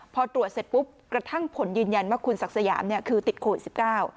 พอตรวจเสร็จปุ๊บกระทั่งผลยืนยันว่าคุณศักดิ์สยามคือติดโควิด๑๙